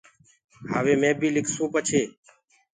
هآوي مي بيٚ لکسونٚ پڇي